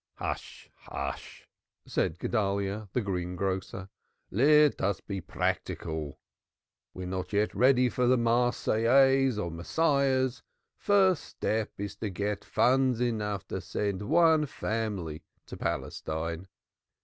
"Hush, hush!" said Guedalyah, the greengrocer. "Let us be practical. We are not yet ready for Marseillaises or Messiahs. The first step is to get funds enough to send one family to Palestine."